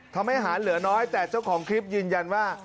ทำให้อาหารเหลือน้อยแต่เจ้าของคลิปยืนยันว่า